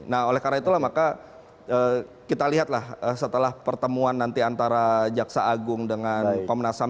nah oleh karena itulah maka kita lihatlah setelah pertemuan nanti antara jaksa agung dengan komnas ham